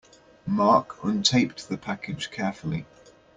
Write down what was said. Mark untaped the package carefully.